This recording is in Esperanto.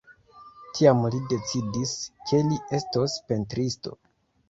Tiam li decidis, ke li estos pentristo.